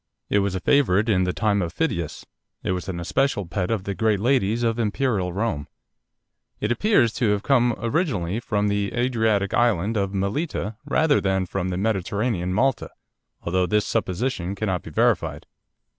It was a favourite in the time of Phidias; it was an especial pet of the great ladies of Imperial Rome. It appears to have come originally from the Adriatic island of Melita rather than from the Mediterranean Malta, although this supposition cannot be verified.